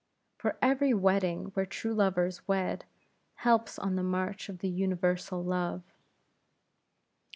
For every wedding where true lovers wed, helps on the march of universal Love.